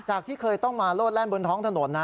ที่เคยต้องมาโลดแล่นบนท้องถนนนะ